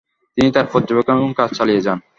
তিনি তার পর্যবেক্ষণ এবং কাজ চালিয়ে যান।